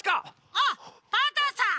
あっパンタンさん！